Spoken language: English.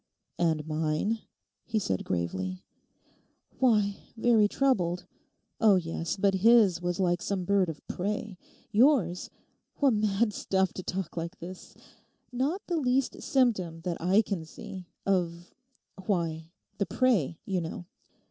'And mine?' he said gravely. 'Why—very troubled; oh yes—but his was like some bird of prey. Yours—what mad stuff to talk like this!—not the least symptom, that I can see, of—why, the "prey," you know.